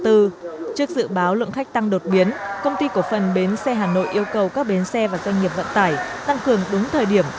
trước dự báo lượng khách tăng đột biến công ty cổ phần bến xe hà nội yêu cầu các bến xe và doanh nghiệp vận tải tăng cường đúng thời điểm